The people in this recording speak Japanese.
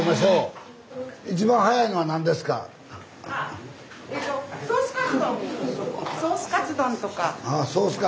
一番早いのは何ですか？